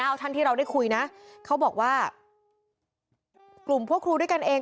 เอาท่านที่เราได้คุยนะเขาบอกว่ากลุ่มพวกครูด้วยกันเอง